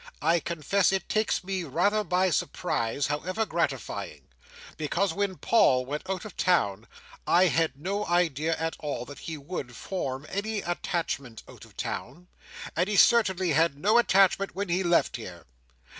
I confess it takes me rather by surprise, however gratifying; because when Paul went out of town I had no idea at all that he would form any attachment out of town, and he certainly had no attachment when he left here.